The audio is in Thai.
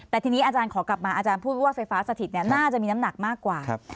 แต่ทีนี้อาจารย์ขอกลับมาอาจารย์พูดว่าไฟฟ้าสถิตน่าจะมีน้ำหนักมากกว่า